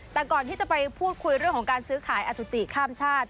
แต่ก่อนที่จะไปพูดคุยเรื่องของการซื้อขายอสุจิข้ามชาติ